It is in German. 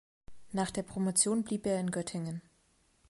Nach der Promotion blieb er in Göttingen.